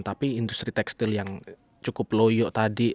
tapi industri tekstil yang cukup loyo tadi